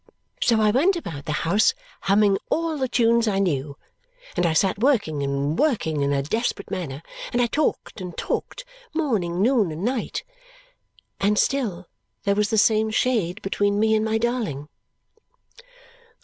So I went about the house humming all the tunes I knew, and I sat working and working in a desperate manner, and I talked and talked, morning, noon, and night. And still there was the same shade between me and my darling.